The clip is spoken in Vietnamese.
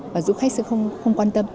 và du khách sẽ không quan tâm